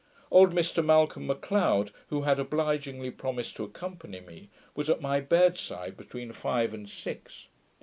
Old Mr Malcolm M'Cleod, who had obligingly promised to accompany me, was at my bedside between five and six.